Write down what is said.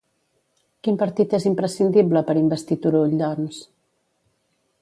Quin partit és imprescindible per investir Turull, doncs?